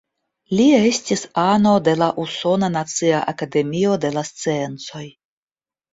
Li estis ano de la Usona nacia Akademio de la Sciencoj.